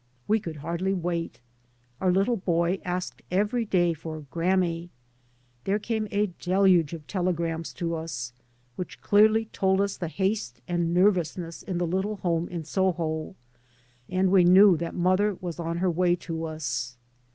We could hardly wait. Our little hay asked every day for " grammy." There came a deluge of telegrams to us, which clearly told us the haste and nervousness tn the little home ~ in Soho, and we knew that mother was on her way to us.